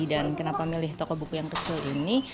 dan kenapa milih toko buku yang kecil ini